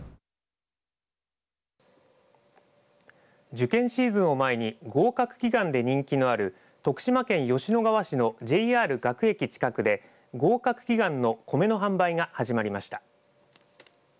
受験シーズンを前に合格祈願で人気のある徳島県吉野川市のＪＲ学駅近くで合格祈願のコメの販売が始まりました。